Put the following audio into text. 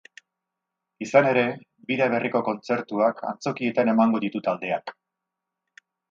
Izan ere, bira berriko kontzertuak antzokietan emango ditu taldeak.